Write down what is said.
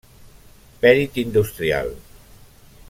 Perit Industrial.